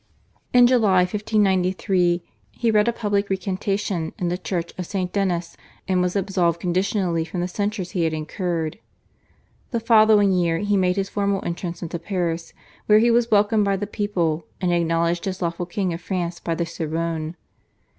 In July 1593 he read a public recantation in the Church of St. Denis, and was absolved conditionally from the censures he had incurred. The following year he made his formal entrance into Paris, where he was welcomed by the people, and acknowledged as lawful king of France by the Sorbonne.